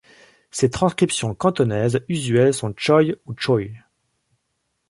Ses transcriptions cantonaises usuelles sont Choi ou Choy.